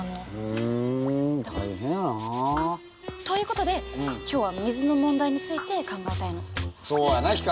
ということで今日は水の問題について考えたいの。